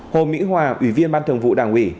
hồ mỹ hòa ủy viên ban thường vụ đảng ủy